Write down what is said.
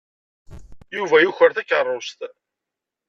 Yuba yuker takeṛṛust.